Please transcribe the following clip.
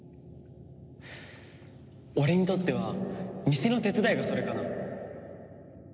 俺にとっては店の手伝いがそれかな。